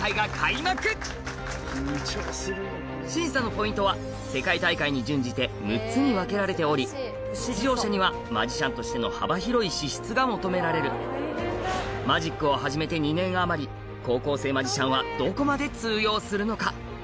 審査のポイントは世界大会に準じて６つに分けられており出場者にはマジシャンとしての幅広い資質が求められるマジックを始めて２年余り高校生マジシャンはどこまで通用するのか？